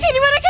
kee dimana kee